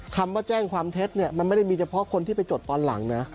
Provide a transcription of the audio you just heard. คำว่าแจ้งความเท็จเนี่ยมันไม่ได้มีเฉพาะคนที่ไปจดตอนหลังนะ